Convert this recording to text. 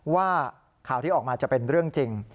ว่าข่าวที่ออกมาจะเป็นเรื่องจริง